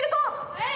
はい！